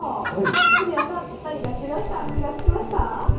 古谷さん、何が違うか気が付きました？